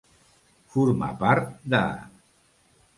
Formar part de.